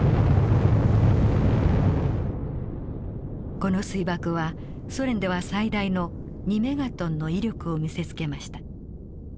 この水爆はソ連では最大の２メガトンの威力を見せつけました。